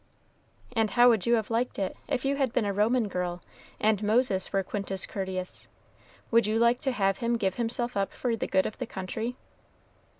"And how would you have liked it, if you had been a Roman girl, and Moses were Quintus Curtius? would you like to have him give himself up for the good of the country?"